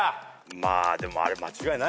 まあでもあれ間違いないよね？